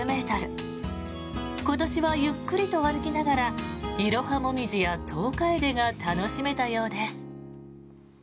今年はゆっくりと歩きながらイロハモミジやトウカエデが楽しめたようです。